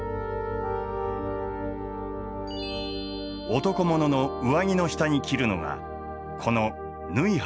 男物の上着の下に着るのがこの縫箔という装束。